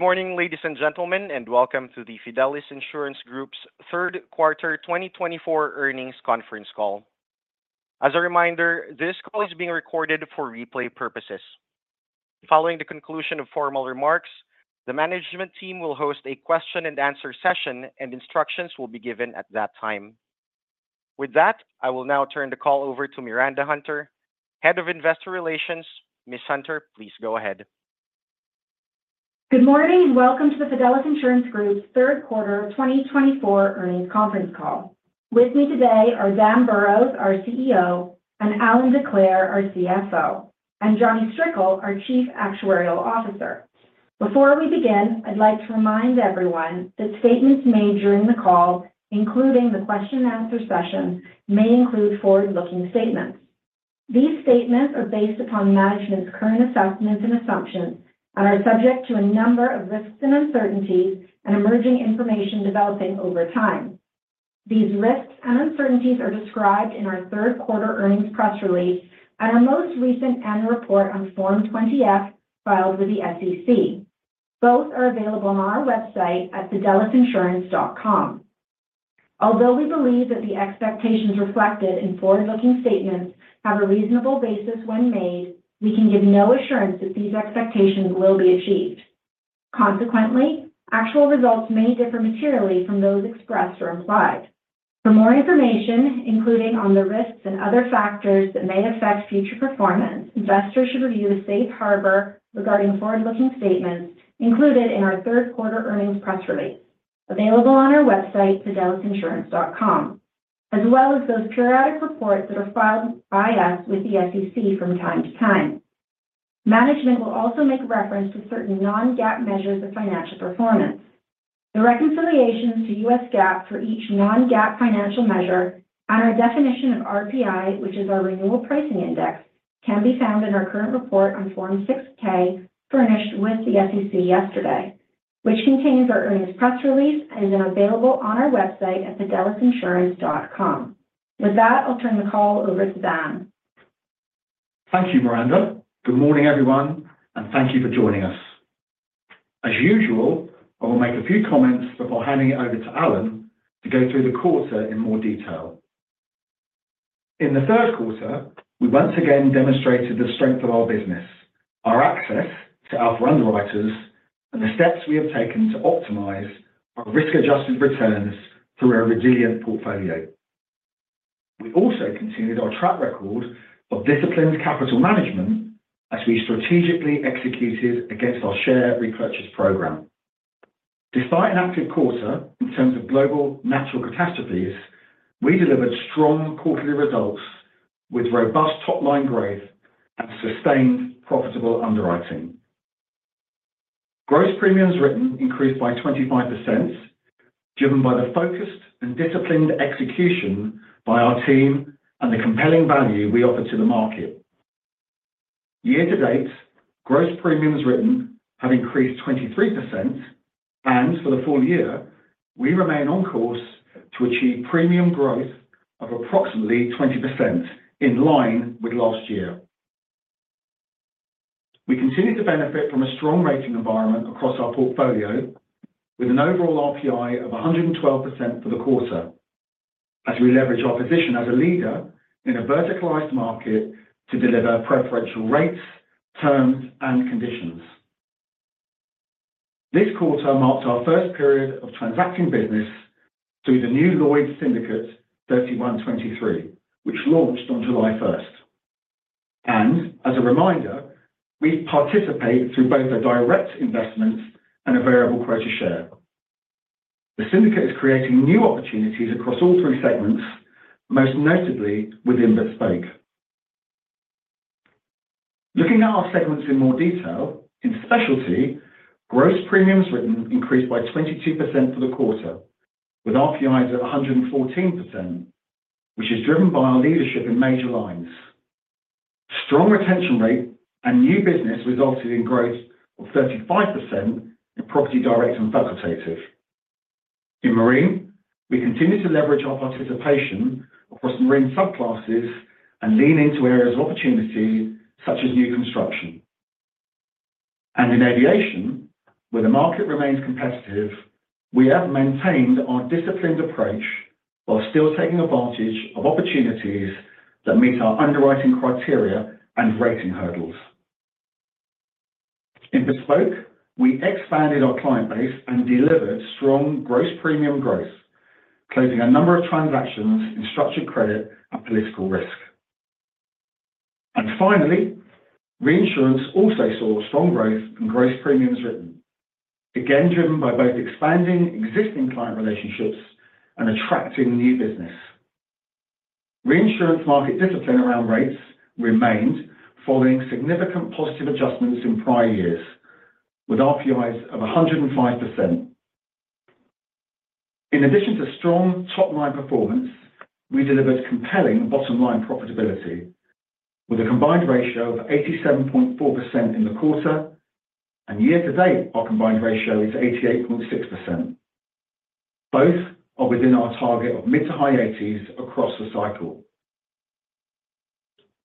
Good morning, ladies and gentlemen, and welcome to the Fidelis Insurance Group's Third Quarter 2024 earnings conference call. As a reminder, this call is being recorded for replay purposes. Following the conclusion of formal remarks, the management team will host a question-and-answer session, and instructions will be given at that time. With that, I will now turn the call over to Miranda Hunter, Head of Investor Relations. Ms. Hunter, please go ahead. Good morning, and welcome to the Fidelis Insurance Group's Third Quarter 2024 earnings conference call. With me today are Dan Burrows, our CEO, and Allan Decleir, our CFO, and Jonny Strickle, our Chief Actuarial Officer. Before we begin, I'd like to remind everyone that statements made during the call, including the question-and-answer session, may include forward-looking statements. These statements are based upon management's current assessments and assumptions and are subject to a number of risks and uncertainties and emerging information developing over time. These risks and uncertainties are described in our Third Quarter earnings press release and our most recent annual report on Form 20-F filed with the SEC. Both are available on our website at fidelisinsurance.com. Although we believe that the expectations reflected in forward-looking statements have a reasonable basis when made, we can give no assurance that these expectations will be achieved. Consequently, actual results may differ materially from those expressed or implied. For more information, including on the risks and other factors that may affect future performance, investors should review the safe harbor regarding forward-looking statements included in our third quarter earnings press release, available on our website, fidelisinsurance.com, as well as those periodic reports that are filed by us with the SEC from time to time. Management will also make reference to certain non-GAAP measures of financial performance. The reconciliations to U.S. GAAP for each non-GAAP financial measure and our definition of RPI, which is our Renewal Pricing Index, can be found in our current report on Form 6-K, furnished with the SEC yesterday, which contains our earnings press release and is available on our website at fidelisinsurance.com. With that, I'll turn the call over to Dan. Thank you, Miranda. Good morning, everyone, and thank you for joining us. As usual, I will make a few comments before handing it over to Allan to go through the quarter in more detail. In the third quarter, we once again demonstrated the strength of our business, our access to our fund writers, and the steps we have taken to optimize our risk-adjusted returns through a resilient portfolio. We also continued our track record of disciplined capital management as we strategically executed against our share repurchase program. Despite an active quarter in terms of global natural catastrophes, we delivered strong quarterly results with robust top-line growth and sustained profitable underwriting. Gross premiums written increased by 25%, driven by the focused and disciplined execution by our team and the compelling value we offer to the market. Year-to-date, gross premiums written have increased 23%, and for the full year, we remain on course to achieve premium growth of approximately 20% in line with last year. We continue to benefit from a strong rating environment across our portfolio, with an overall RPI of 112% for the quarter, as we leverage our position as a leader in a verticalized market to deliver preferential rates, terms, and conditions. This quarter marked our first period of transacting business through the new Lloyd's Syndicate 3123, which launched on July 1st, and as a reminder, we participate through both a direct investment and a variable quota share. The syndicate is creating new opportunities across all three segments, most notably within Bespoke. Looking at our segments in more detail, in specialty, gross premiums written increased by 22% for the quarter, with RPIs at 114%, which is driven by our leadership in major lines. Strong retention rate and new business resulted in growth of 35% in Property Direct and Facultative. In Marine, we continue to leverage our participation across marine subclasses and lean into areas of opportunity such as new construction. And in Aviation, where the market remains competitive, we have maintained our disciplined approach while still taking advantage of opportunities that meet our underwriting criteria and rating hurdles. In Bespoke, we expanded our client base and delivered strong gross premium growth, closing a number of transactions in Structured Credit and Political Risk. And finally, Reinsurance also saw strong growth in gross premiums written, again driven by both expanding existing client relationships and attracting new business. Reinsurance market discipline around rates remained following significant positive adjustments in prior years, with RPIs of 105%. In addition to strong top-line performance, we delivered compelling bottom-line profitability, with a combined ratio of 87.4% in the quarter, and year-to-date, our combined ratio is 88.6%. Both are within our target of mid to high 80s across the cycle.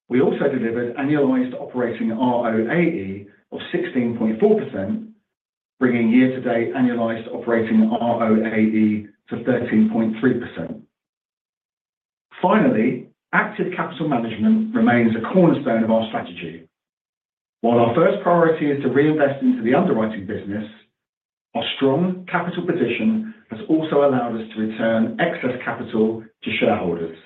We also delivered annualized operating ROAE of 16.4%, bringing year-to-date annualized operating ROAE to 13.3%. Finally, active capital management remains a cornerstone of our strategy. While our first priority is to reinvest into the underwriting business, our strong capital position has also allowed us to return excess capital to shareholders.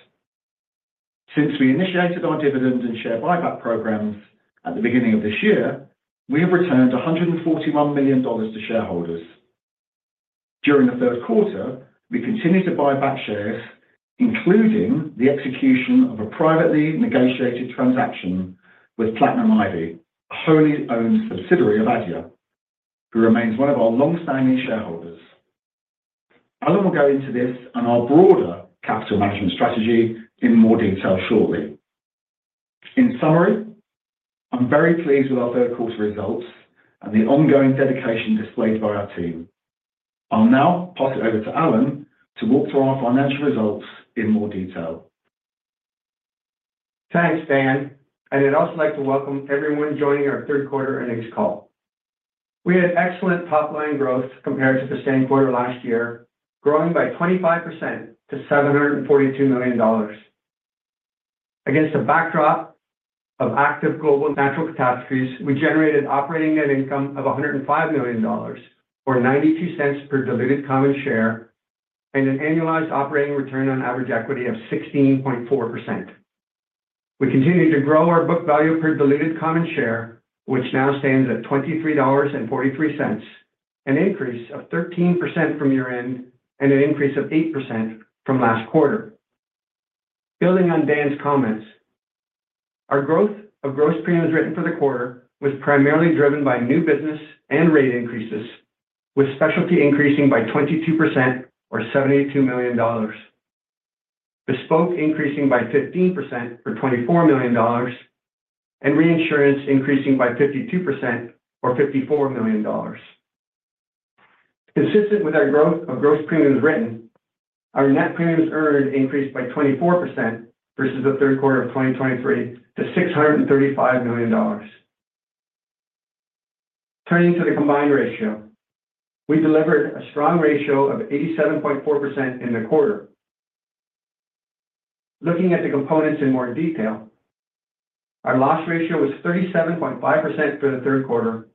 Since we initiated our dividend and share buyback programs at the beginning of this year, we have returned $141 million to shareholders. During the third quarter, we continued to buy back shares, including the execution of a privately negotiated transaction with Platinum Ivy, a wholly owned subsidiary of Adya, who remains one of our long-standing shareholders. Allan will go into this and our broader capital management strategy in more detail shortly. In summary, I'm very pleased with our third quarter results and the ongoing dedication displayed by our team. I'll now pass it over to Allan to walk through our financial results in more detail. Thanks, Dan, and I'd also like to welcome everyone joining our third quarter earnings call. We had excellent top-line growth compared to the same quarter last year, growing by 25% to $742 million. Against the backdrop of active global natural catastrophes, we generated operating net income of $105 million, or $0.92 per diluted common share, and an annualized operating return on average equity of 16.4%. We continue to grow our book value per diluted common share, which now stands at $23.43, an increase of 13% from year-end and an increase of 8% from last quarter. Building on Dan's comments, our growth of gross premiums written for the quarter was primarily driven by new business and rate increases, with specialty increasing by 22%, or $72 million, bespoke increasing by 15%, or $24 million, and reinsurance increasing by 52%, or $54 million. Consistent with our growth of gross premiums written, our net premiums earned increased by 24% versus the third quarter of 2023 to $635 million. Turning to the combined ratio, we delivered a strong ratio of 87.4% in the quarter. Looking at the components in more detail, our loss ratio was 37.5% for the third quarter,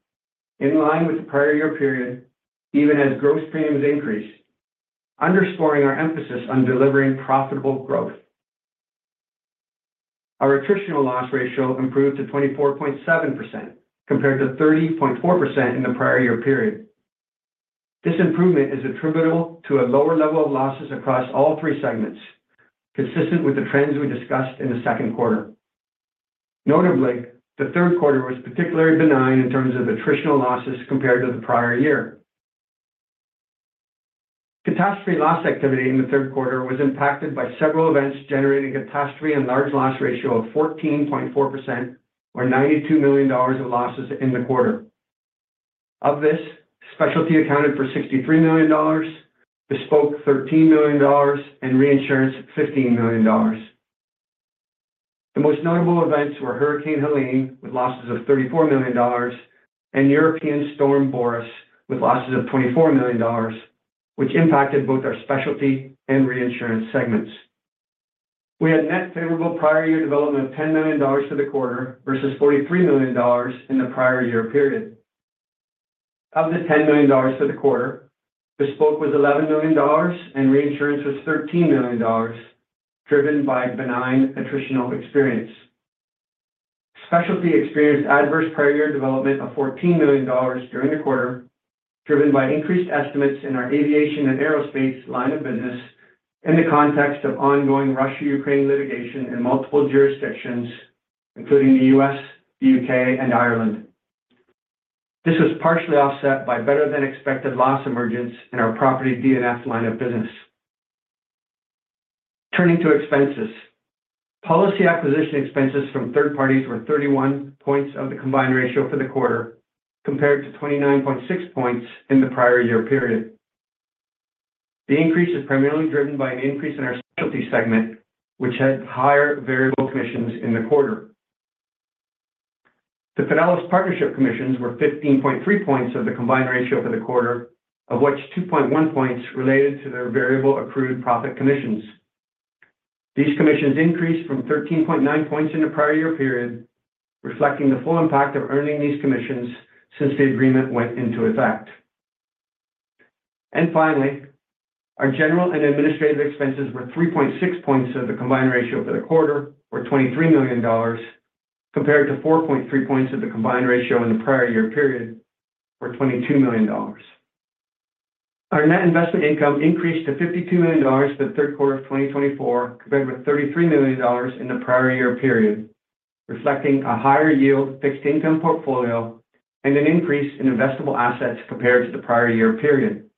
in line with the prior year period, even as gross premiums increased, underscoring our emphasis on delivering profitable growth. Our attritional loss ratio improved to 24.7% compared to 30.4% in the prior year period. This improvement is attributable to a lower level of losses across all three segments, consistent with the trends we discussed in the second quarter. Notably, the third quarter was particularly benign in terms of attritional losses compared to the prior year. Catastrophe loss activity in the third quarter was impacted by several events generating catastrophe and large loss ratio of 14.4%, or $92 million of losses in the quarter. Of this, specialty accounted for $63 million, bespoke $13 million, and reinsurance $15 million. The most notable events were Hurricane Helene, with losses of $34 million, and European Storm Boris, with losses of $24 million, which impacted both our specialty and reinsurance segments. We had net favorable prior year development of $10 million for the quarter versus $43 million in the prior year period. Of the $10 million for the quarter, bespoke was $11 million, and reinsurance was $13 million, driven by benign attritional experience. Specialty experienced adverse prior year development of $14 million during the quarter, driven by increased estimates in our Aviation and Aerospace line of business in the context of ongoing Russia-Ukraine litigation in multiple jurisdictions, including the U.S., the U.K., and Ireland. This was partially offset by better-than-expected loss emergence in our property D&F line of business. Turning to expenses, policy acquisition expenses from third parties were 31 points of the combined ratio for the quarter, compared to 29.6 points in the prior year period. The increase is primarily driven by an increase in our specialty segment, which had higher variable commissions in the quarter. The Fidelis Partnership commissions were 15.3 points of the combined ratio for the quarter, of which 2.1 points related to their variable accrued profit commissions. These commissions increased from 13.9 points in the prior year period, reflecting the full impact of earning these commissions since the agreement went into effect. And finally, our general and administrative expenses were 3.6 points of the combined ratio for the quarter, or $23 million, compared to 4.3 points of the combined ratio in the prior year period, or $22 million. Our net investment income increased to $52 million for the third quarter of 2024, compared with $33 million in the prior year period, reflecting a higher yield fixed income portfolio and an increase in investable assets compared to the prior year period.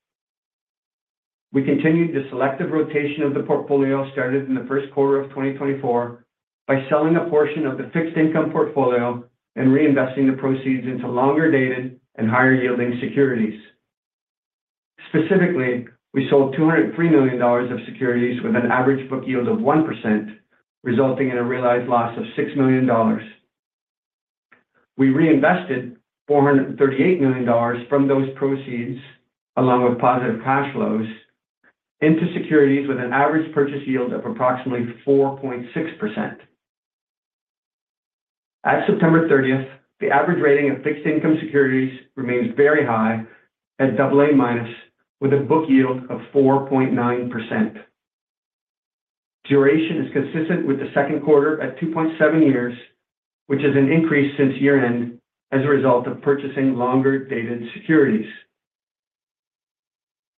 We continued the selective rotation of the portfolio started in the first quarter of 2024 by selling a portion of the fixed income portfolio and reinvesting the proceeds into longer-dated and higher-yielding securities. Specifically, we sold $203 million of securities with an average book yield of 1%, resulting in a realized loss of $6 million. We reinvested $438 million from those proceeds, along with positive cash flows, into securities with an average purchase yield of approximately 4.6%. As September 30th, the average rating of fixed income securities remains very high at AA- with a book yield of 4.9%. Duration is consistent with the second quarter at 2.7 years, which is an increase since year-end as a result of purchasing longer-dated securities.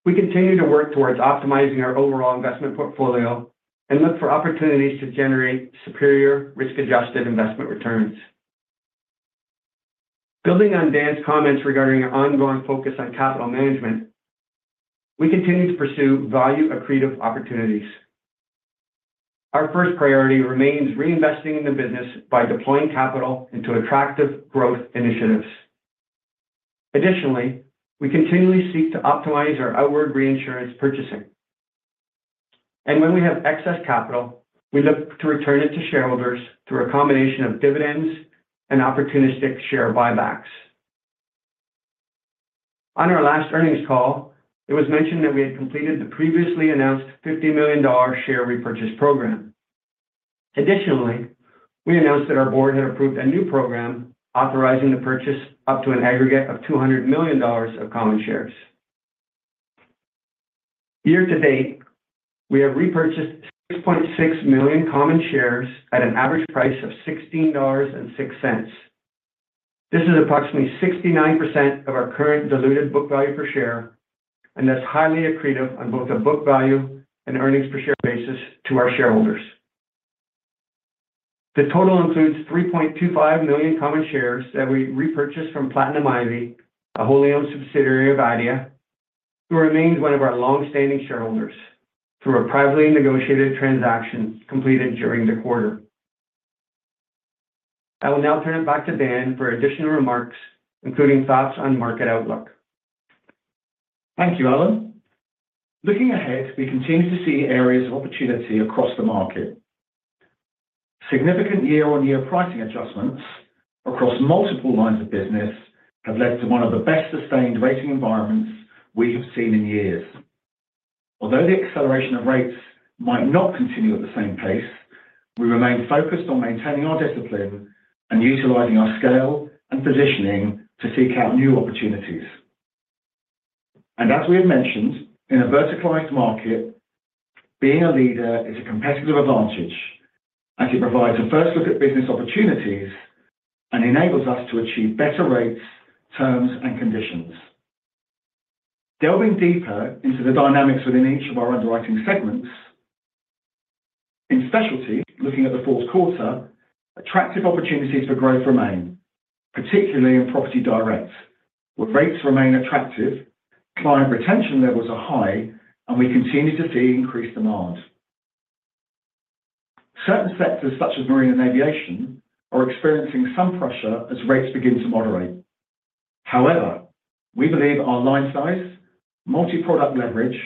We continue to work towards optimizing our overall investment portfolio and look for opportunities to generate superior risk-adjusted investment returns. Building on Dan's comments regarding our ongoing focus on capital management, we continue to pursue value-accretive opportunities. Our first priority remains reinvesting in the business by deploying capital into attractive growth initiatives. Additionally, we continually seek to optimize our outward reinsurance purchasing. When we have excess Capital, we look to return it to shareholders through a combination of dividends and opportunistic share buybacks. On our last earnings call, it was mentioned that we had completed the previously announced $50 million share repurchase program. Additionally, we announced that our board had approved a new program authorizing the purchase up to an aggregate of $200 million of common shares. Year-to-date, we have repurchased 6.6 million common shares at an average price of $16.06. This is approximately 69% of our current diluted book value per share, and that's highly accretive on both a book value and earnings per share basis to our shareholders. The total includes 3.25 million common shares that we repurchased from Platinum Ivy, a wholly owned subsidiary of Adya, who remains one of our long-standing shareholders through a privately negotiated transaction completed during the quarter. I will now turn it back to Dan for additional remarks, including thoughts on market outlook. Thank you, Allan. Looking ahead, we continue to see areas of opportunity across the market. Significant year-on-year pricing adjustments across multiple lines of business have led to one of the best-sustained rating environments we have seen in years. Although the acceleration of rates might not continue at the same pace, we remain focused on maintaining our discipline and utilizing our scale and positioning to seek out new opportunities, and as we have mentioned, in a verticalized market, being a leader is a competitive advantage as it provides a first look at business opportunities and enables us to achieve better rates, terms, and conditions. Delving deeper into the dynamics within each of our underwriting segments, in specialty, looking at the fourth quarter, attractive opportunities for growth remain, particularly in Property Direct, where rates remain attractive, client retention levels are high, and we continue to see increased demand. Certain sectors, such as marine and aviation, are experiencing some pressure as rates begin to moderate. However, we believe our line size, multi-product leverage,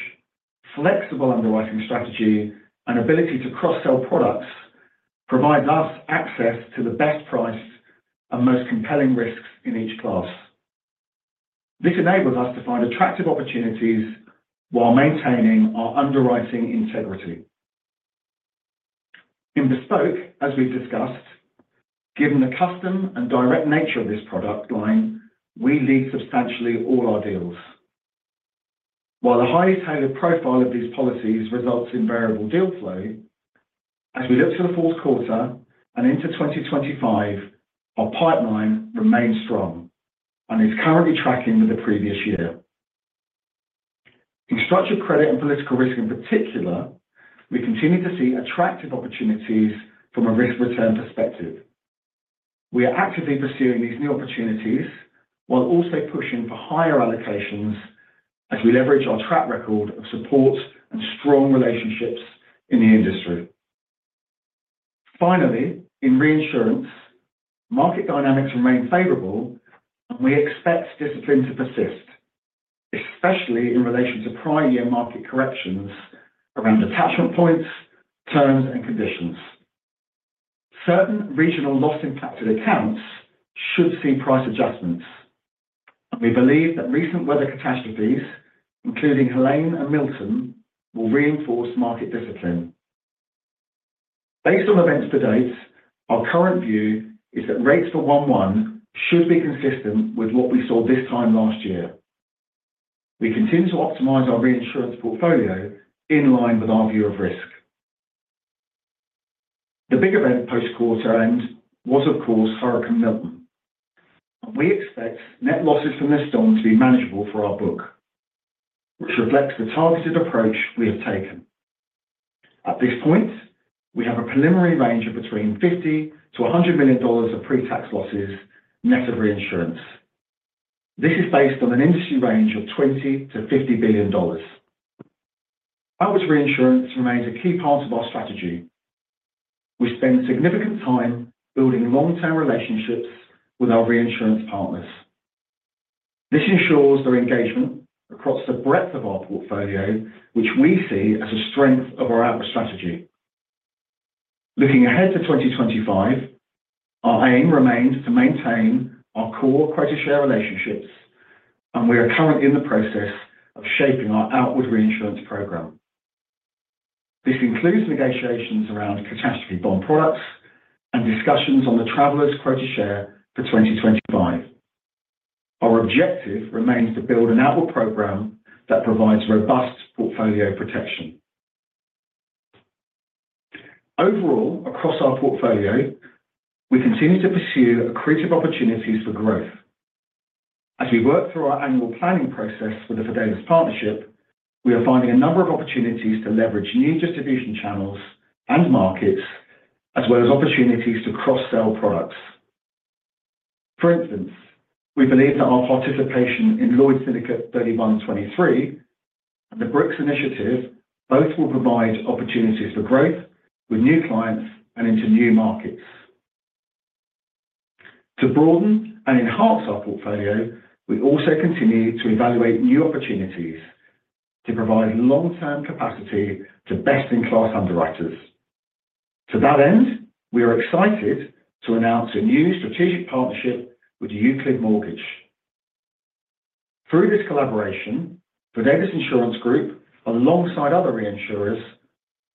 flexible underwriting strategy, and ability to cross-sell products provide us access to the best price and most compelling risks in each class. This enables us to find attractive opportunities while maintaining our underwriting integrity. In bespoke, as we've discussed, given the custom and direct nature of this product line, we lead substantially all our deals. While the highly tailored profile of these policies results in variable deal flow, as we look to the fourth quarter and into 2025, our pipeline remains strong and is currently tracking with the previous year. In structured credit and political risk, in particular, we continue to see attractive opportunities from a risk-return perspective. We are actively pursuing these new opportunities while also pushing for higher allocations as we leverage our track record of support and strong relationships in the industry. Finally, in reinsurance, market dynamics remain favorable, and we expect discipline to persist, especially in relation to prior year market corrections around attachment points, terms, and conditions. Certain regional loss-impacted accounts should see price adjustments, and we believe that recent weather catastrophes, including Helene and Milton, will reinforce market discipline. Based on events to date, our current view is that rates for 1/1 should be consistent with what we saw this time last year. We continue to optimize our reinsurance portfolio in line with our view of risk. The big event post-quarter end was, of course, Hurricane Milton. We expect net losses from this storm to be manageable for our book, which reflects the targeted approach we have taken. At this point, we have a preliminary range of between $50-$100 million of pre-tax losses net of reinsurance. This is based on an industry range of $20-$50 billion. Our reinsurance remains a key part of our strategy. We spend significant time building long-term relationships with our reinsurance partners. This ensures their engagement across the breadth of our portfolio, which we see as a strength of our outward strategy. Looking ahead to 2025, our aim remains to maintain our core credit share relationships, and we are currently in the process of shaping our outward reinsurance program. This includes negotiations around catastrophe-bond products and discussions on the Travelers' [Quota] Share for 2025. Our objective remains to build an outward program that provides robust portfolio protection. Overall, across our portfolio, we continue to pursue accretive opportunities for growth. As we work through our annual planning process for the Fidelis Partnership, we are finding a number of opportunities to leverage new distribution channels and markets, as well as opportunities to cross-sell products. For instance, we believe that our participation in Lloyd's Syndicate 3123 and the BRICS initiative both will provide opportunities for growth with new clients and into new markets. To broaden and enhance our portfolio, we also continue to evaluate new opportunities to provide long-term capacity to best-in-class underwriters. To that end, we are excited to announce a new strategic partnership with Euclid Mortgage. Through this collaboration, Fidelis Insurance Group, alongside other reinsurers,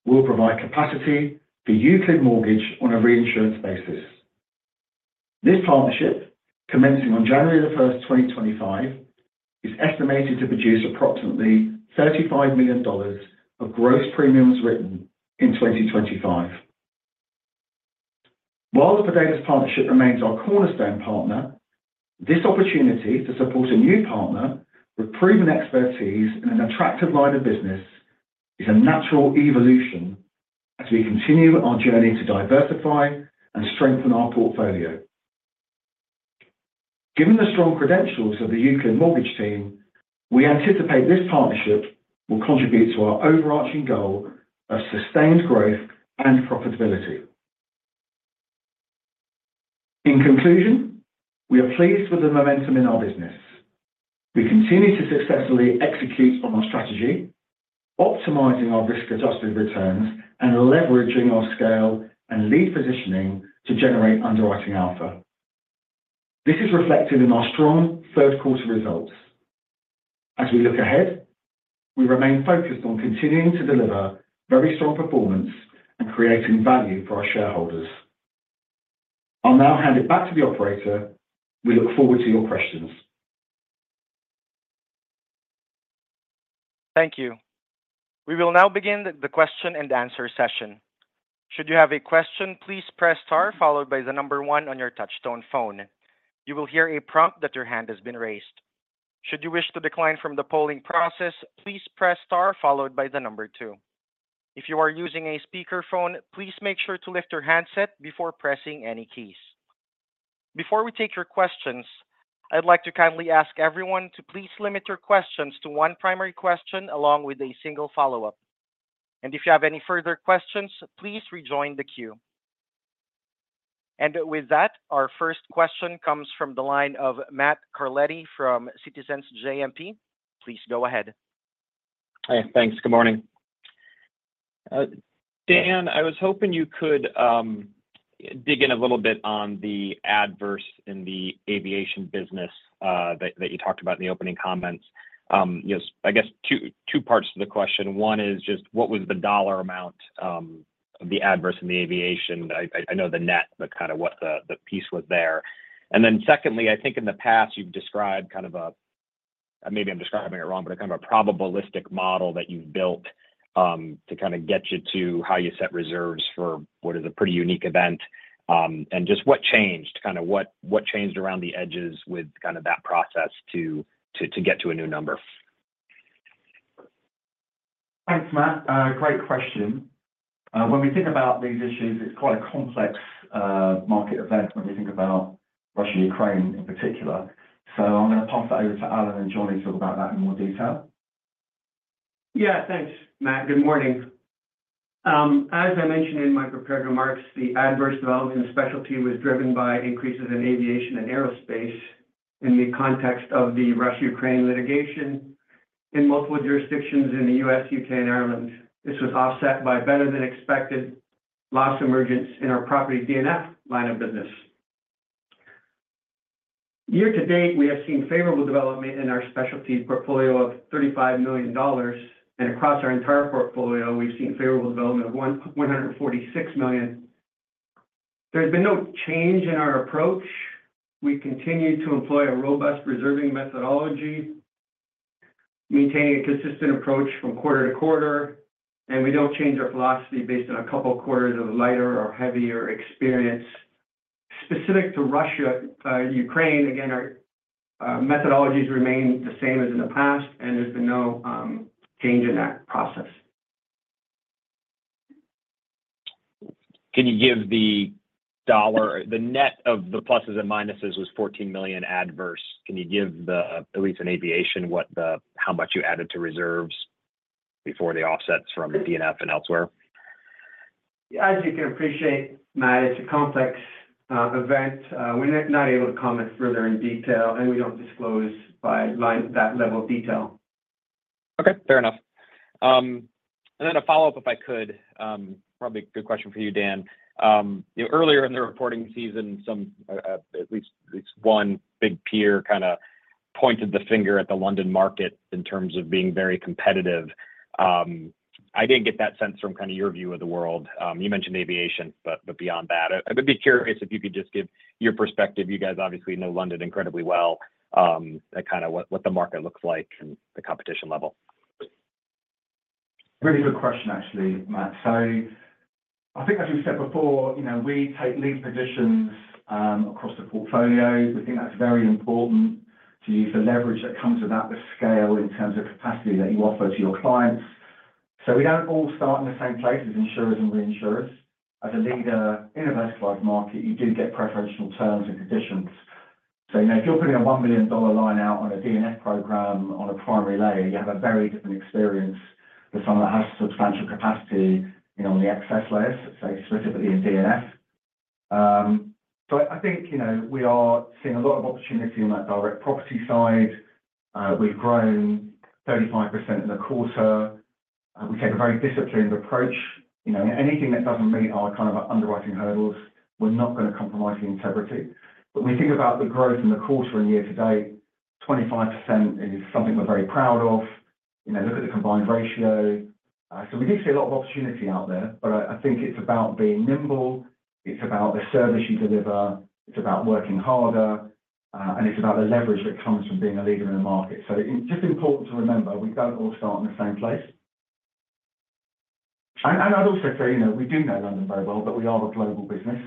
will provide capacity for Euclid Mortgage on a reinsurance basis. This partnership, commencing on January 1st, 2025, is estimated to produce approximately $35 million of gross premiums written in 2025. While the Fidelis Partnership remains our cornerstone partner, this opportunity to support a new partner with proven expertise in an attractive line of business is a natural evolution as we continue our journey to diversify and strengthen our portfolio. Given the strong credentials of the Euclid Mortgage team, we anticipate this partnership will contribute to our overarching goal of sustained growth and profitability. In conclusion, we are pleased with the momentum in our business. We continue to successfully execute on our strategy, optimizing our risk-adjusted returns and leveraging our scale and lead positioning to generate underwriting alpha. This is reflected in our strong third quarter results. As we look ahead, we remain focused on continuing to deliver very strong performance and creating value for our shareholders. I'll now hand it back to the operator. We look forward to your questions. Thank you. We will now begin the question-and-answer session. Should you have a question, please press star followed by the number one on your touch-tone phone. You will hear a prompt that your hand has been raised. Should you wish to decline from the polling process, please press star followed by the number two. If you are using a speakerphone, please make sure to lift your handset before pressing any keys. Before we take your questions, I'd like to kindly ask everyone to please limit your questions to one primary question along with a single follow-up. And if you have any further questions, please rejoin the queue. And with that, our first question comes from the line of Matt Carletti from Citizens JMP. Please go ahead. Hi, thanks. Good morning. Dan, I was hoping you could dig in a little bit on the adverse in the aviation business that you talked about in the opening comments. I guess two parts to the question. One is just what was the dollar amount of the adverse in the aviation? I know the net, but kind of what the piece was there. And then secondly, I think in the past, you've described kind of a, maybe I'm describing it wrong, but kind of a probabilistic model that you've built to kind of get you to how you set reserves for what is a pretty unique event. And just what changed? Kind of what changed around the edges with kind of that process to get to a new number? Thanks, Matt. Great question. When we think about these issues, it's quite a complex market event when we think about Russia-Ukraine in particular. So I'm going to pass that over to Allan and Jonny to talk about that in more detail. Yeah, thanks, Matt. Good morning. As I mentioned in my prepared remarks, the adverse development of specialty was driven by increases in aviation and aerospace in the context of the Russia-Ukraine litigation in multiple jurisdictions in the U.S., U.K., and Ireland. This was offset by better-than-expected loss emergence in our property D&F line of business. Year-to-date, we have seen favorable development in our specialty portfolio of $35 million. And across our entire portfolio, we've seen favorable development of $146 million. There's been no change in our approach. We continue to employ a robust reserving methodology, maintaining a consistent approach from quarter-to-quarter. And we don't change our philosophy based on a couple of quarters of lighter or heavier experience. Specific to Russia-Ukraine, again, our methodologies remain the same as in the past, and there's been no change in that process. Can you give the net of the pluses and minuses? Was [it] $14 million adverse? Can you give at least in aviation how much you added to reserves before the offsets from DNF and elsewhere? Yeah, as you can appreciate, Matt, it's a complex event. We're not able to comment further in detail, and we don't disclose by that level of detail. Okay, fair enough. And then a follow-up, if I could, probably a good question for you, Dan. Earlier in the reporting season, at least one big peer kind of pointed the finger at the London market in terms of being very competitive. I didn't get that sense from kind of your view of the world. You mentioned aviation, but beyond that, I'd be curious if you could just give your perspective. You guys obviously know London incredibly well and kind of what the market looks like and the competition level. Very good question, actually, Matt. So I think, as we've said before, we take lead positions across the portfolio. We think that's very important to use the leverage that comes with that, the scale in terms of capacity that you offer to your clients. So we don't all start in the same place as insurers and reinsurers. As a leader in a verticalized market, you do get preferential terms and conditions. So if you're putting a $1 million line out on a D&F program on a primary layer, you have a very different experience to someone that has substantial capacity on the excess layers, say, specifically in D&F. So I think we are seeing a lot of opportunity in that direct property side. We've grown 35% in the quarter. We take a very disciplined approach. Anything that doesn't meet our kind of underwriting hurdles, we're not going to compromise the integrity. But when we think about the growth in the quarter and year-to-date, 25% is something we're very proud of. Look at the combined ratio. So we do see a lot of opportunity out there, but I think it's about being nimble. It's about the service you deliver. It's about working harder. And it's about the leverage that comes from being a leader in the market. So it's just important to remember we don't all start in the same place. And I'd also say we do know London very well, but we are a global business.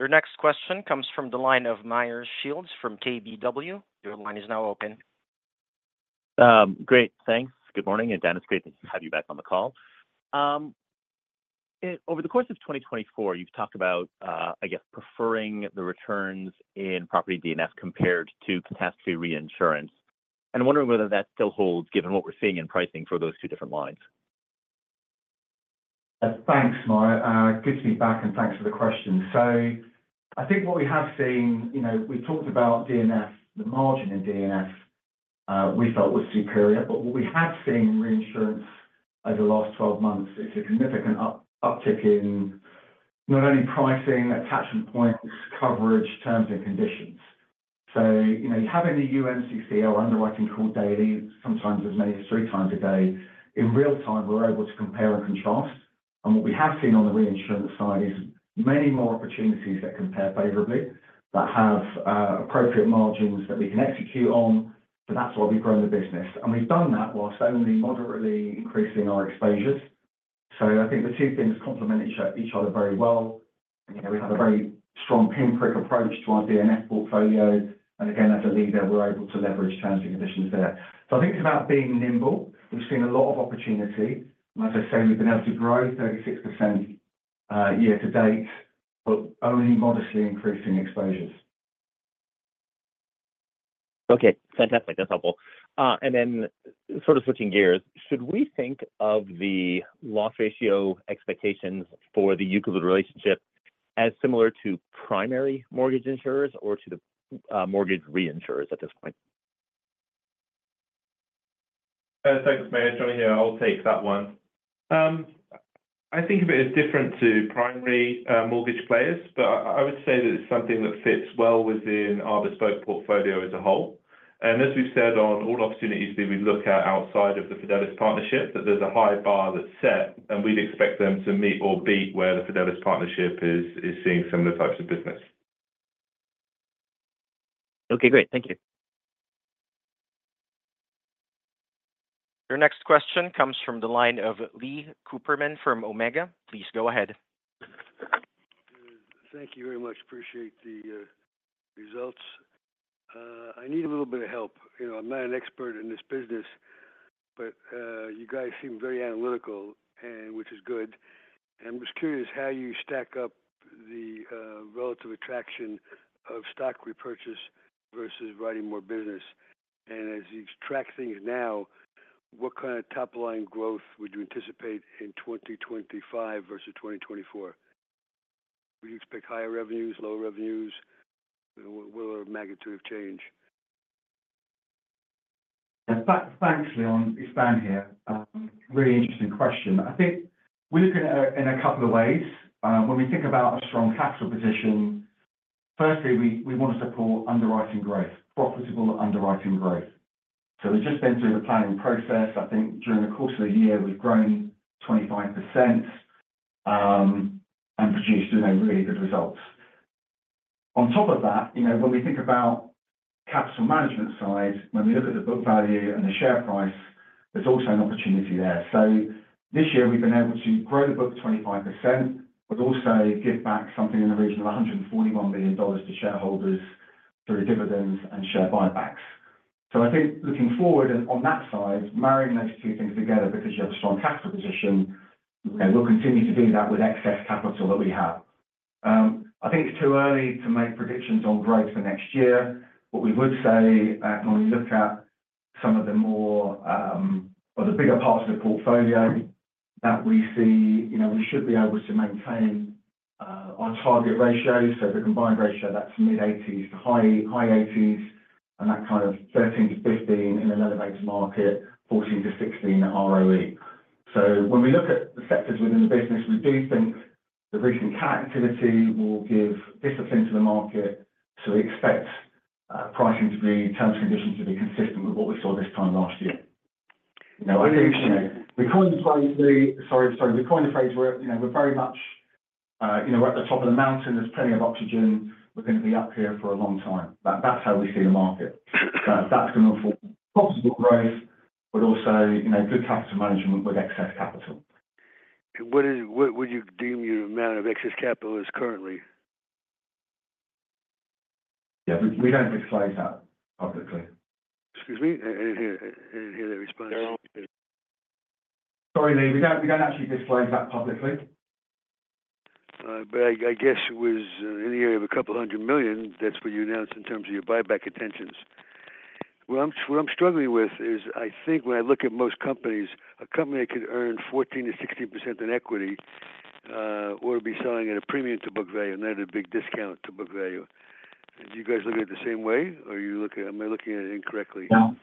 Your next question comes from the line of Meyer Shields from KBW. Your line is now open. Great. Thanks. Good morning, Dan. It's great to have you back on the call. Over the course of 2024, you've talked about, I guess, preferring the returns in property DNF compared to catastrophe reinsurance, and I'm wondering whether that still holds given what we're seeing in pricing for those two different lines. Thanks, Mark. Good to be back and thanks for the question. So I think what we have seen, we've talked about DNF, the margin in DNF, we felt was superior. But what we have seen in reinsurance over the last 12 months is a significant uptick in not only pricing, attachment points, coverage, terms, and conditions. So having the UNCCL underwriting called daily, sometimes as many as three times a day, in real time, we're able to compare and contrast. And what we have seen on the reinsurance side is many more opportunities that compare favorably that have appropriate margins that we can execute on. So that's why we've grown the business. And we've done that whilst only moderately increasing our exposures. So I think the two things complement each other very well. We have a very strong pinprick approach to our DNF portfolio. Again, as a leader, we're able to leverage terms and conditions there. I think it's about being nimble. We've seen a lot of opportunity. As I say, we've been able to grow 36% year-to-date, but only modestly increasing exposures. Okay, fantastic. That's helpful. And then sort of switching gears, should we think of the loss ratio expectations for the Euclid relationship as similar to primary mortgage insurers or to the mortgage reinsurers at this point? Thanks, Matt. Jonny here. I'll take that one. I think of it as different to primary mortgage players, but I would say that it's something that fits well within our Bespoke portfolio as a whole, and as we've said on all opportunities that we look at outside of the Fidelis Partnership, that there's a high bar that's set, and we'd expect them to meet or beat where the Fidelis Partnership is seeing similar types of business. Okay, great. Thank you. Your next question comes from the line of Lee Cooperman from Omega. Please go ahead. Thank you very much. Appreciate the results. I need a little bit of help. I'm not an expert in this business, but you guys seem very analytical, which is good. I'm just curious how you stack up the relative attraction of stock repurchase versus writing more business. As you track things now, what kind of top-line growth would you anticipate in 2025 versus 2024? Would you expect higher revenues, lower revenues? What will the magnitude of change? Thanks, Leon. It's Dan here. Really interesting question. I think we look at it in a couple of ways. When we think about a strong capital position, firstly, we want to support underwriting growth, profitable underwriting growth, so we've just been through the planning process. I think during the course of the year, we've grown 25% and produced really good results. On top of that, when we think about capital management side, when we look at the book value and the share price, there's also an opportunity there, so this year, we've been able to grow the book 25%, but also give back something in the region of $141 million to shareholders through dividends and share buybacks. So I think looking forward and on that side, marrying those two things together because you have a strong capital position, we'll continue to do that with excess capital that we have. I think it's too early to make predictions on growth for next year. What we would say, when we look at some of the more or the bigger parts of the portfolio that we see, we should be able to maintain our target ratios. So the combined ratio, that's mid-80s% to high 80s%, and that kind of 13%-15% in an elevated market, 14%-16% in ROE. So when we look at the sectors within the business, we do think the recent cat activity will give discipline to the market. So we expect pricing to be terms and conditions to be consistent with what we saw this time last year. We coin the phrase, we're very much at the top of the mountain. There's plenty of oxygen. We're going to be up here for a long time. That's how we see the market. That's going to inform possible growth, but also good capital management with excess capital. What would you deem your amount of excess capital is currently? Yeah, we don't disclose that publicly. Excuse me? I didn't hear that response. Sorry, Lee. We don't actually disclose that publicly. But I guess it was in the area of a couple hundred million. That's what you announced in terms of your buyback intentions. What I'm struggling with is I think when I look at most companies, a company that could earn 14%-16% in equity would be selling at a premium to book value, not at a big discount to book value. Do you guys look at it the same way, or am I looking at it incorrectly? No.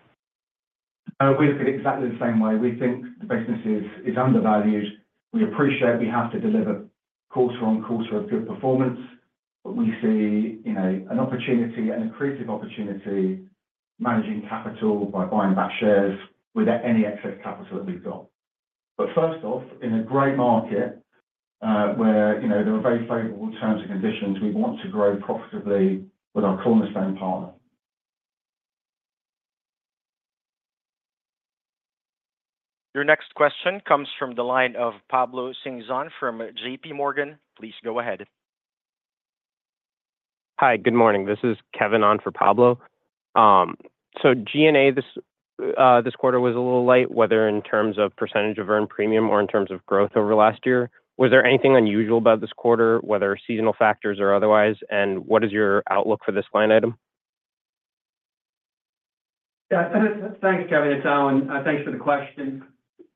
We look at it exactly the same way. We think the business is undervalued. We appreciate we have to deliver quarter-on-quarter of good performance, but we see an opportunity, an accretive opportunity, managing Capital by buying back shares without any excess Capital that we've got. But first off, in a great market where there are very favorable terms and conditions, we want to grow profitably with our cornerstone partner. Your next question comes from the line of Pablo Singson from J.P. Morgan. Please go ahead. Hi, good morning. This is Kevin on for Pablo. So G&A, this quarter was a little light, whether in terms of percentage of earned premium or in terms of growth over last year. Was there anything unusual about this quarter, whether seasonal factors or otherwise? And what is your outlook for this line item? Thanks, Kevin. It's Allan. Thanks for the question.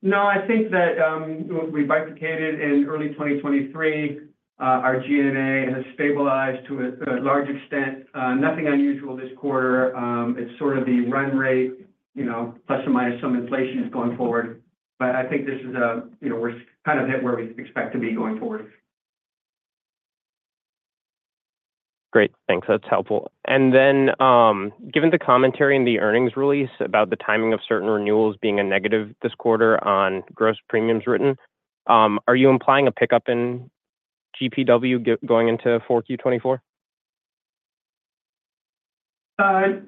No, I think that we bifurcated in early 2023. Our G&A has stabilized to a large extent. Nothing unusual this quarter. It's sort of the run rate, plus or minus some inflation going forward. But I think this is where we're kind of hit where we expect to be going forward. Great. Thanks. That's helpful. And then given the commentary in the earnings release about the timing of certain renewals being a negative this quarter on gross premiums written, are you implying a pickup in GPW going into 4Q 2024?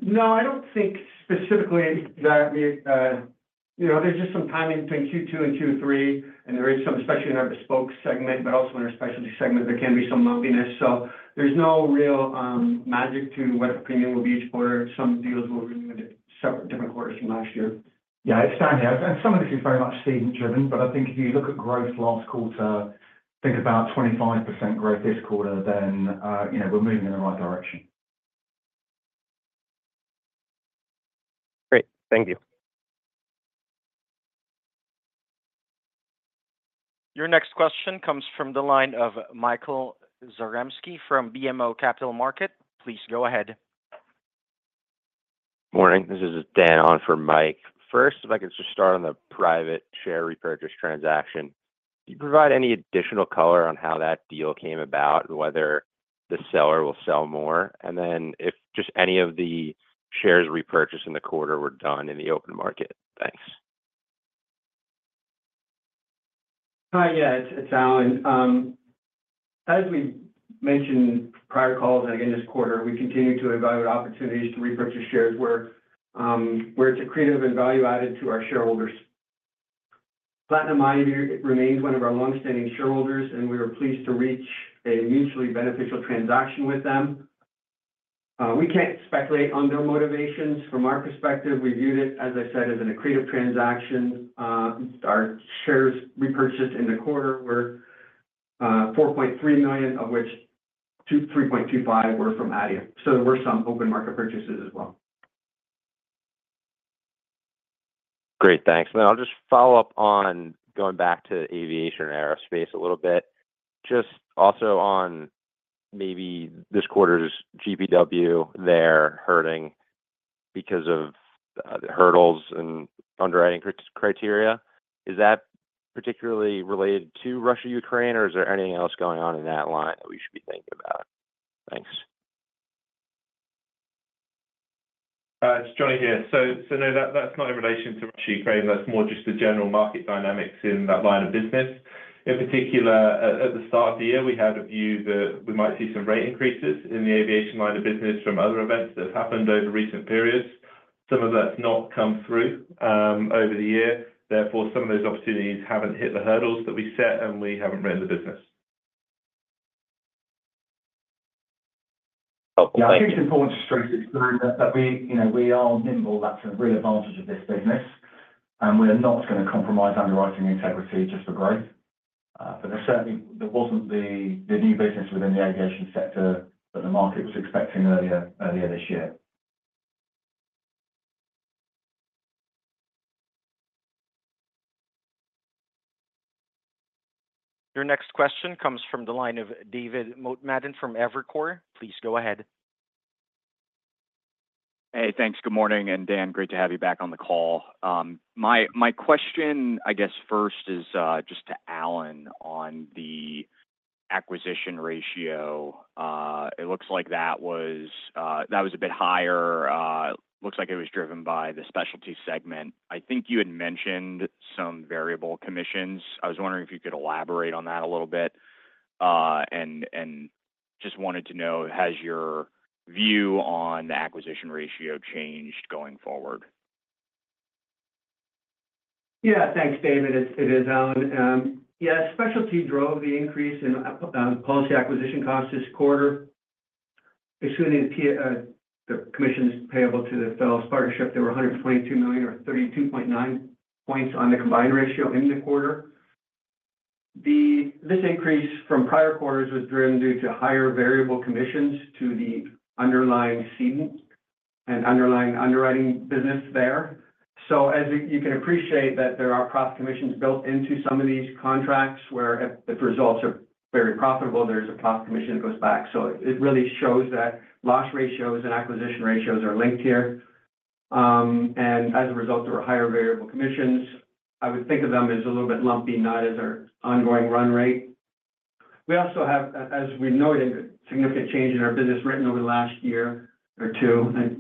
No, I don't think specifically that there's just some timing between Q2 and Q3, and there is some, especially in our bespoke segment, but also in our Specialty segment, there can be some lumpiness, so there's no real magic to what the premium will be each quarter. Some deals will be in different quarters from last year. Yeah, it's Dan here, and some of this is very much season-driven, but I think if you look at growth last quarter, think about 25% growth this quarter, then we're moving in the right direction. Great. Thank you. Your next question comes from the line of Michael Zaremski from BMO Capital Markets. Please go ahead. Morning. This is Dan on for Mike. First, if I could just start on the private share repurchase transaction. Do you provide any additional color on how that deal came about, whether the seller will sell more, and then if just any of the shares repurchased in the quarter were done in the open market? Thanks. Hi, yeah, it's Allan. As we mentioned prior calls, and again, this quarter, we continue to evaluate opportunities to repurchase shares where it's a creative and value-added to our shareholders. Platinum Ivy remains one of our long-standing shareholders, and we were pleased to reach a mutually beneficial transaction with them. We can't speculate on their motivations. From our perspective, we viewed it, as I said, as an accretive transaction. Our shares repurchased in the quarter were 4.3 million, of which 3.25 were from Adya. So there were some open market purchases as well. Great. Thanks, and I'll just follow up on going back to aviation and aerospace a little bit. Just also on maybe this quarter's GPW, they're hurting because of the hurdles and underwriting criteria. Is that particularly related to Russia, Ukraine, or is there anything else going on in that line that we should be thinking about? Thanks. It's Jonny here. So no, that's not in relation to Russia, Ukraine. That's more just the general market dynamics in that line of business. In particular, at the start of the year, we had a view that we might see some rate increases in the aviation line of business from other events that have happened over recent periods. Some of that's not come through over the year. Therefore, some of those opportunities haven't hit the hurdles that we set, and we haven't written the business. I think it's important to stress that we are nimble, that's a real advantage of this business. And we're not going to compromise underwriting integrity just for growth. But there certainly wasn't the new business within the aviation sector that the market was expecting earlier this year. Your next question comes from the line of David Motemaden from Evercore. Please go ahead. Hey, thanks. Good morning. And Dan, great to have you back on the call. My question, I guess, first is just to Allan on the acquisition ratio. It looks like that was a bit higher. Looks like it was driven by the specialty segment. I think you had mentioned some variable commissions. I was wondering if you could elaborate on that a little bit. And just wanted to know, has your view on the acquisition ratio changed going forward? Yeah, thanks, David. It is, Allan. Yeah, specialty drove the increase in policy acquisition costs this quarter. Excluding the commissions payable to The Fidelis Partnership, there were $122 million or 32.9 points on the combined ratio in the quarter. This increase from prior quarters was driven due to higher variable commissions to the underlying cede and underlying underwriting business there. So as you can appreciate, there are profit commissions built into some of these contracts where if the results are very profitable, there's a profit commission that goes back. So it really shows that loss ratios and acquisition ratios are linked here. And as a result, there were higher variable commissions. I would think of them as a little bit lumpy, not as our ongoing run rate. We also have, as we noted, a significant change in our business written over the last year or two, leaning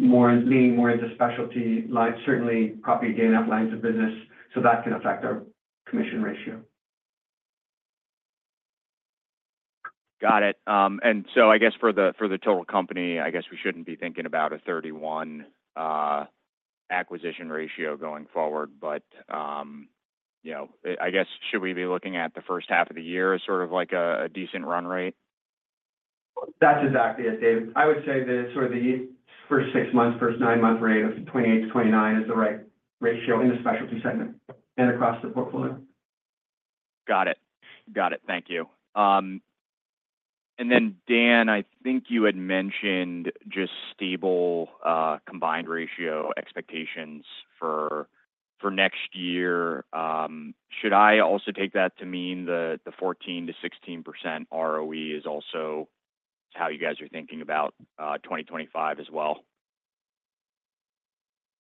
more into specialty lines, certainly property and other lines of business. So that can affect our commission ratio. Got it. And so I guess for the total company, I guess we shouldn't be thinking about a 31% acquisition ratio going forward. But I guess, should we be looking at the first half of the year as sort of like a decent run rate? That's exactly it, David. I would say that sort of the first six months, first nine month rate of 28%-29% is the right ratio in the specialty segment and across the portfolio. Got it. Got it. Thank you. And then, Dan, I think you had mentioned just stable combined ratio expectations for next year. Should I also take that to mean the 14%-16% ROE is also how you guys are thinking about 2025 as well?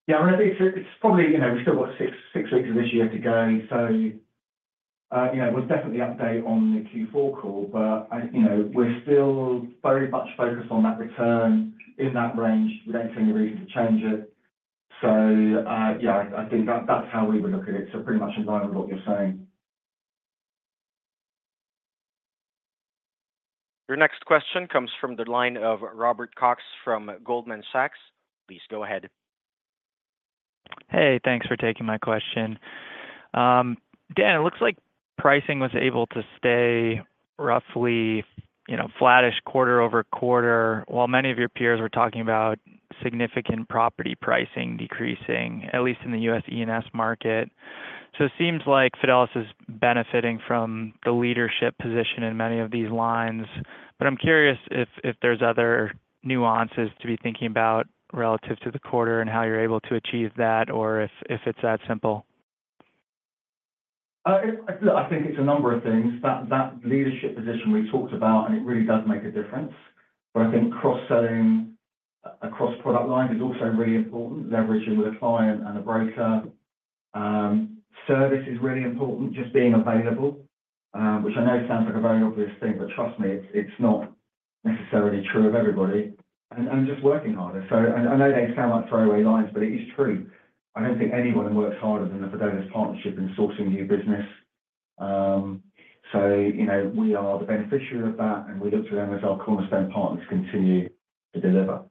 Yeah, I think it's probably we still got six weeks of this year to go. So we'll definitely update on the Q4 call, but we're still very much focused on that return in that range. We don't see any reason to change it. So yeah, I think that's how we would look at it. So pretty much in line with what you're saying. Your next question comes from the line of Robert Cox from Goldman Sachs. Please go ahead. Hey, thanks for taking my question. Dan, it looks like pricing was able to stay roughly flattish quarter-over-quarter while many of your peers were talking about significant property pricing decreasing, at least in the U.S. E&S market. So it seems like Fidelis is benefiting from the leadership position in many of these lines. But I'm curious if there's other nuances to be thinking about relative to the quarter and how you're able to achieve that or if it's that simple. I think it's a number of things. That leadership position we talked about, and it really does make a difference. But I think cross-selling across product lines is also really important, leveraging with a client and a broker. Service is really important, just being available, which I know sounds like a very obvious thing, but trust me, it's not necessarily true of everybody, and just working harder. So I know they sound like throwaway lines, but it is true. I don't think anyone works harder than the Fidelis Partnership in sourcing new business. So we are the beneficiary of that, and we look to them as our cornerstone partners continue to deliver.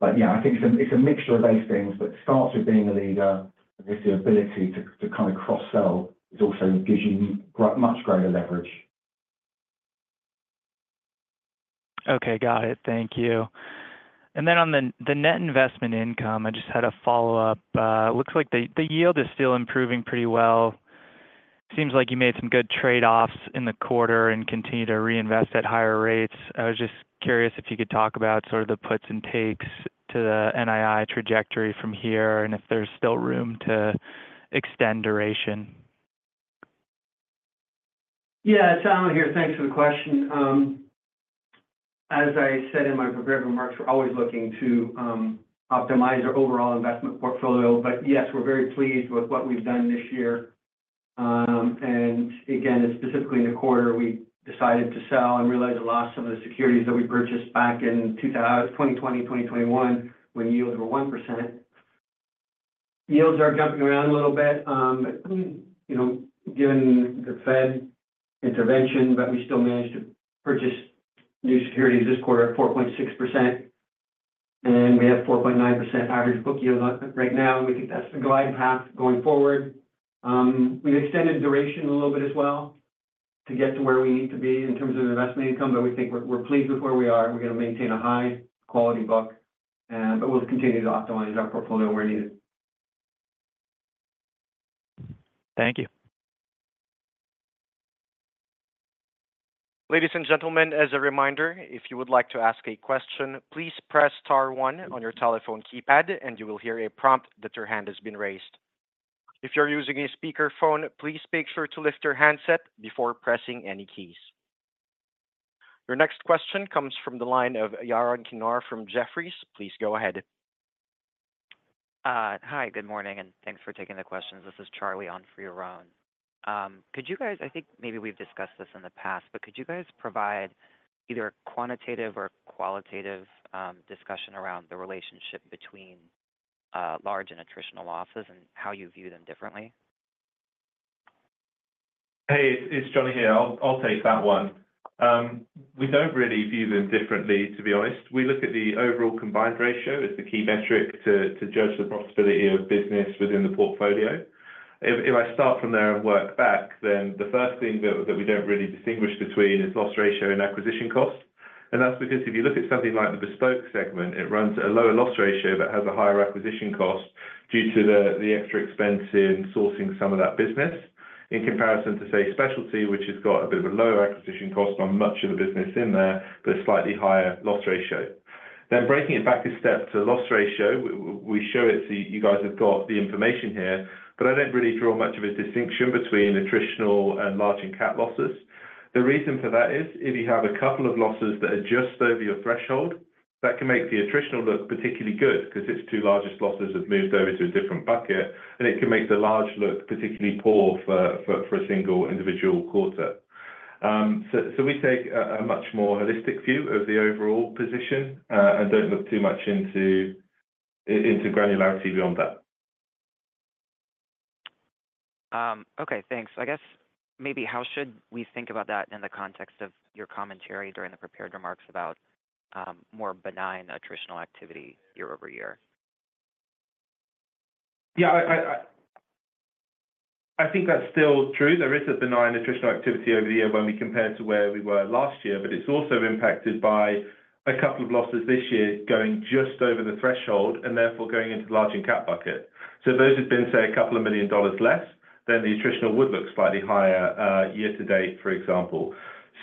But yeah, I think it's a mixture of those things, but it starts with being a leader. I guess the ability to kind of cross-sell also gives you much greater leverage. Okay, got it. Thank you. And then on the net investment income, I just had a follow-up. Looks like the yield is still improving pretty well. Seems like you made some good trade-offs in the quarter and continue to reinvest at higher rates. I was just curious if you could talk about sort of the puts and takes to the NII trajectory from here and if there's still room to extend duration? Yeah, it's Allan here. Thanks for the question. As I said in my prepared remarks, we're always looking to optimize our overall investment portfolio. But yes, we're very pleased with what we've done this year. And again, specifically in the quarter, we decided to sell and realized we lost some of the securities that we purchased back in 2020, 2021 when yields were 1%. Yields are jumping around a little bit given the Fed intervention, but we still managed to purchase new securities this quarter at 4.6%. And we have 4.9% average book yield right now. We think that's the glide path going forward. We've extended duration a little bit as well to get to where we need to be in terms of investment income, but we think we're pleased with where we are. We're going to maintain a high-quality book, but we'll continue to optimize our portfolio where needed. Thank you. Ladies and gentlemen, as a reminder, if you would like to ask a question, please press star one on your telephone keypad, and you will hear a prompt that your hand has been raised. If you're using a speakerphone, please make sure to lift your handset before pressing any keys. Your next question comes from the line of Yaron Kinar from Jefferies. Please go ahead. Hi, good morning, and thanks for taking the questions. This is Charlie on for Yaron. Could you guys, I think maybe we've discussed this in the past, but could you guys provide either a quantitative or qualitative discussion around the relationship between large and attritional losses and how you view them differently? Hey, it's Jonny here. I'll take that one. We don't really view them differently, to be honest. We look at the overall combined ratio as the key metric to judge the profitability of business within the portfolio. If I start from there and work back, then the first thing that we don't really distinguish between is loss ratio and acquisition cost. And that's because if you look at something like the bespoke segment, it runs at a lower loss ratio but has a higher acquisition cost due to the extra expense in sourcing some of that business in comparison to, say, specialty, which has got a bit of a lower acquisition cost on much of the business in there, but a slightly higher loss ratio. Then, breaking it back a step to loss ratio, we show it to you guys. You have got the information here, but I don't really draw much of a distinction between attritional and large and cat losses. The reason for that is if you have a couple of losses that are just over your threshold, that can make the attritional look particularly good because its two largest losses have moved over to a different bucket, and it can make the large look particularly poor for a single individual quarter, so we take a much more holistic view of the overall position and don't look too much into granularity beyond that. Okay, thanks. I guess maybe how should we think about that in the context of your commentary during the prepared remarks about more benign attritional activity year-over-year? Yeah, I think that's still true. There is a benign attritional activity over the year when we compare to where we were last year, but it's also impacted by a couple of losses this year going just over the threshold and therefore going into the large and cat bucket. So those have been, say, a couple of million dollars less, then the attritional would look slightly higher year to date, for example.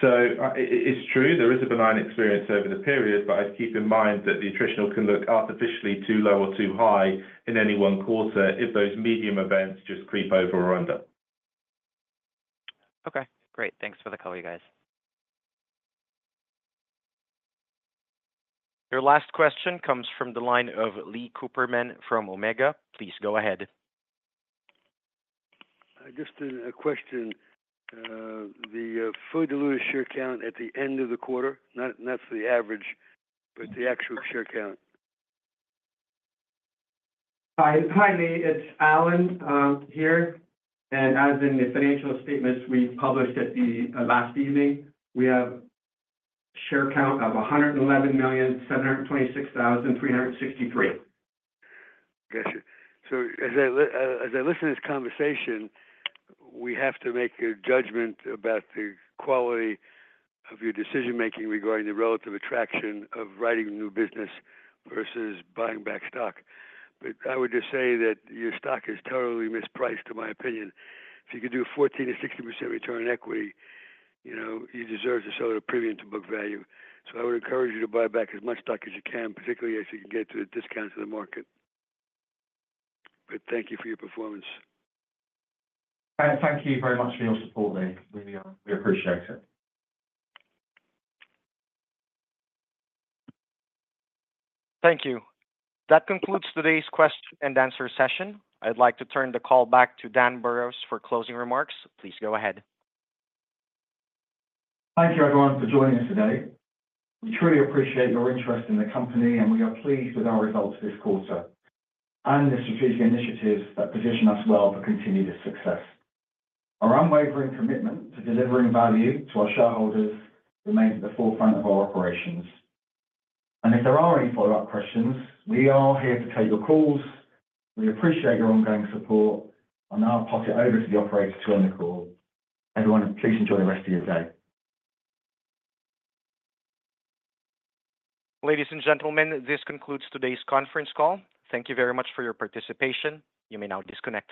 So it's true. There is a benign experience over the period, but I keep in mind that the attritional can look artificially too low or too high in any one quarter if those medium events just creep over or under. Okay, great. Thanks for the color, you guys. Your last question comes from the line of Lee Cooperman from Omega. Please go ahead. Just a question. The Fidelis share count at the end of the quarter, not for the average, but the actual share count? Hi, Lee. It's Allan here. As in the financial statements we published last evening, we have a share count of 111,726,363. Gotcha. So as I listen to this conversation, we have to make a judgment about the quality of your decision-making regarding the relative attraction of writing new business versus buying back stock. But I would just say that your stock is totally mispriced, in my opinion. If you could do a 14%-16% return on equity, you deserve to sell at a premium to book value. So I would encourage you to buy back as much stock as you can, particularly as you can get to the discounts of the market. But thank you for your performance. Thank you very much for your support, Lee. We appreciate it. Thank you. That concludes today's question and answer session. I'd like to turn the call back to Dan Burrows for closing remarks. Please go ahead. Thank you, everyone, for joining us today. We truly appreciate your interest in the company, and we are pleased with our results this quarter and the strategic initiatives that position us well for continued success. Our unwavering commitment to delivering value to our shareholders remains at the forefront of our operations, and if there are any follow-up questions, we are here to take your calls. We appreciate your ongoing support and now I'll pass it over to the operators to end the call. Everyone, please enjoy the rest of your day. Ladies and gentlemen, this concludes today's conference call. Thank you very much for your participation. You may now disconnect.